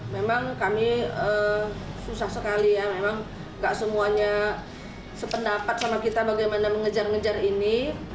memang kami susah sekali ya memang gak semuanya sependapat sama kita bagaimana mengejar ngejar ini